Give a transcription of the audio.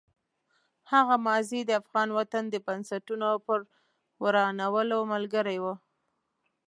هغه ماضي د افغان وطن د بنسټونو په ورانولو ملګرې وه.